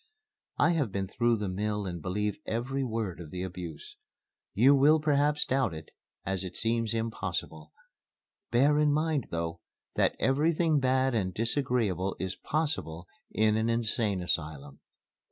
I have been through the mill and believe every word of the abuse. You will perhaps doubt it, as it seems impossible. Bear in mind, though, that everything bad and disagreeable is possible in an Insane Asylum."